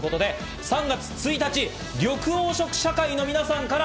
３月１日、緑黄色社会の皆さんから